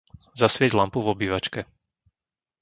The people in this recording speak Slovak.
Zasvieť lampu v obývačke.